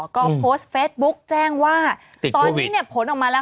ก็โพสต์เฟสบุ๊กแจ้งว่าตอนนี้เนี่ยผลออกมาแล้ว